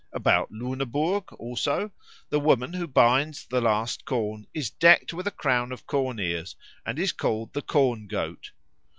About Luneburg, also, the woman who binds the last corn is decked with a crown of corn ears and is called the Corn goat.